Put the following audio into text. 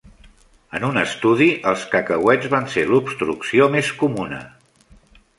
En un estudi, els cacauets van ser l'obstrucció més comuna.